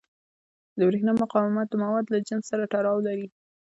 د برېښنا مقاومت د موادو له جنس سره تړاو لري.